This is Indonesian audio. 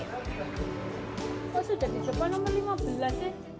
oh sudah di depan nomor lima belas ya